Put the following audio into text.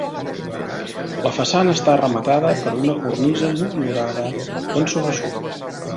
La façana està rematada per una cornisa motllurada que sobresurt.